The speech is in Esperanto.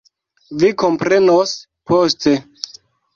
Vi komprenos poste.